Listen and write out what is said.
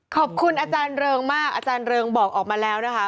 ขอบคุณอาจารย์เริงมากอาจารย์เริงบอกออกมาแล้วนะคะ